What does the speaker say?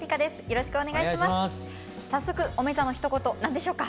早速「おめざ」のひと言何でしょうか？